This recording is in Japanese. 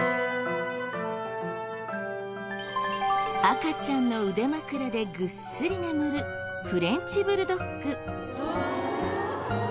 赤ちゃんの腕枕でぐっすり眠るフレンチブルドッグ。